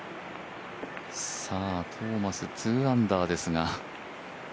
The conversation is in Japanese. トーマス、２アンダーですが。